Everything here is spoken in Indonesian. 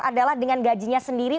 adalah dengan gajinya sendiri